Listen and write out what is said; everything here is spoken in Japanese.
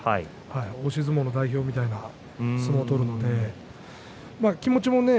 押し相撲の代表みたいな相撲を取るので気持ちもね